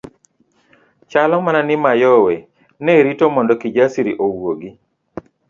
Chalo mana ni Mayowe ne rito mondo Kijasiri owuogi.